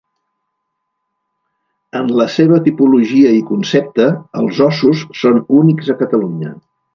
En la seva tipologia i concepte, els óssos són únics a Catalunya.